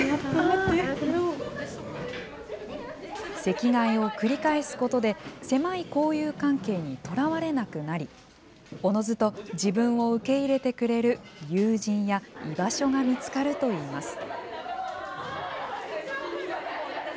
席替えを繰り返すことで狭い交友関係にとらわれなくなりおのずと自分を受け入れてくれる友人や居場所が見つかるといいます。